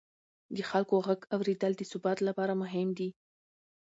د خلکو غږ اورېدل د ثبات لپاره مهم دي